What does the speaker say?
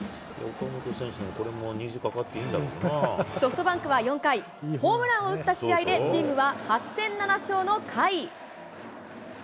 岡本選手のこれも虹架かってソフトバンクは４回、ホームランを打った試合でチームは８戦７勝の甲斐。